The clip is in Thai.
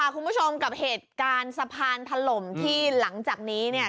คุณผู้ชมกับเหตุการณ์สะพานถล่มที่หลังจากนี้เนี่ย